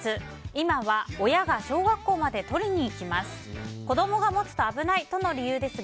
今は親が小学校まで取りに行きます。